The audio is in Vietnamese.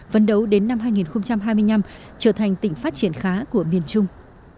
vấn đấu đến năm hai nghìn hai mươi năm trở thành tỉnh phát triển khá của miền trung